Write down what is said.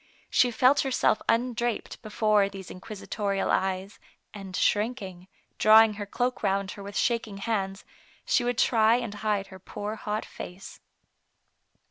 She felt herself undraped be fore these inquisitorial eyes, and shrinking, draw ing her cloak round her with shaking hands, she would try and hide her poor hot face.